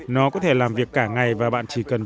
nó có thể làm việc cả ngày và bạn chỉ cần trả tiền